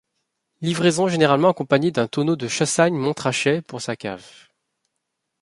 Livraison généralement accompagnée d'un tonneau de Chassagne-Montrachet pour sa cave.